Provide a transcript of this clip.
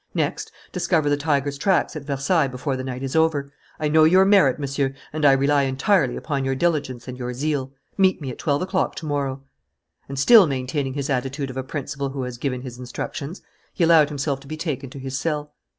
Next, discover the tiger's tracks at Versailles before the night is over. I know your merit, Monsieur, and I rely entirely upon your diligence and your zeal. Meet me at twelve o'clock to morrow." And, still maintaining his attitude of a principal who has given his instructions, he allowed himself to be taken to his cell.